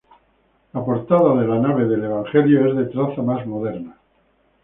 La portada de la nave del Evangelio es de traza más moderna.